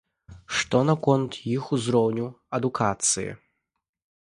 Што наконт іх узроўню адукацыі?